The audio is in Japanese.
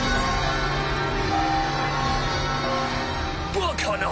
バカな！